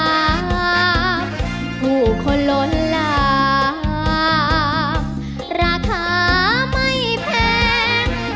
ใส่หยาบผู้คนลดหลากราคาไม่แพง